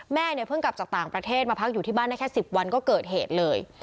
แม่เนี่ยเพิ่งกลับจากต่างประเทศมาพักอยู่ที่บ้านได้แค่๑๐วันก็เกิดเหตุเลย